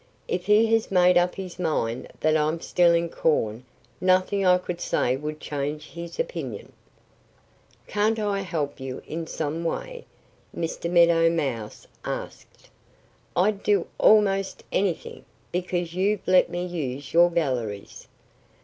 "If he has made up his mind that I'm stealing corn nothing I could say would change his opinion." "Can't I help you in some way?" Mr. Meadow Mouse asked. "I'd do almost anything, because you've let me use your galleries."